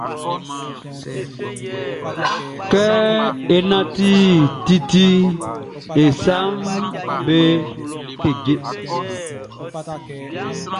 Kɛ é nánti titiʼn, e saʼm be keje.